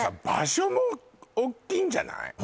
場所もおっきいんじゃない？